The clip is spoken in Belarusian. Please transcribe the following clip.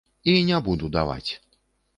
І не буду даваць.